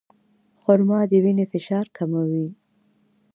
خرما د وینې فشار کموي.